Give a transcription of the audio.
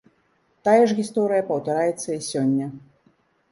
Тая ж гісторыя паўтараецца і сёння.